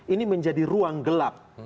ini menjadi ruang gelap